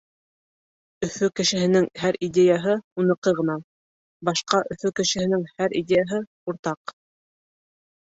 Өфө кешеһенең һәр идеяһы — уныҡы ғына. Башҡа Өфө кешеһенең һәр идеяһы — уртаҡ.